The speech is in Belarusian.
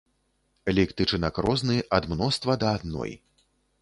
Лік тычынак розны, ад мноства да адной.